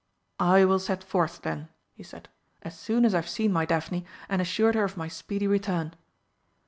"I will set forth, then," he said, "as soon as I have seen my Daphne and assured her of my speedy return."